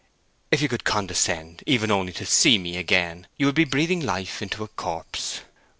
If you could condescend even only to see me again you would be breathing life into a corpse.